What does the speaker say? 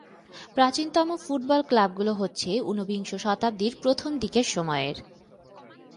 প্রাচীনতম ফুটবল ক্লাবগুলো হচ্ছে ঊনবিংশ শতাব্দীর প্রথম দিকের সময়ের।